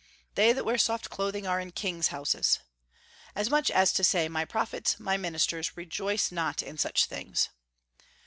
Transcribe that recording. They that wear soft clothing are in king's houses," as much as to say, My prophets, my ministers, rejoice not in such things.